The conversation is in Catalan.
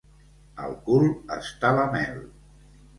Al cul està la mel.